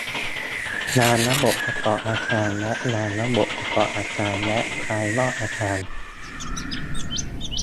งานระบบประกอบอาคารและงานระบบประกอบอาคารและภายนอกอาคาร